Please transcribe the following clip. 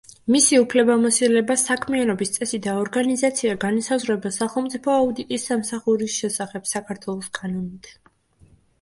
მისი უფლებამოსილება, საქმიანობის წესი და ორგანიზაცია განისაზღვრება, „სახელმწიფო აუდიტის სამსახურის შესახებ“ საქართველოს კანონით.